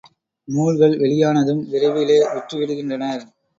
நூல்கள் வெளியானதும் விரைவிலே விற்று விடுகின்றனர்.